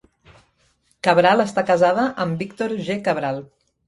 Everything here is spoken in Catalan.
Cabral està casada amb Víctor G. Cabral.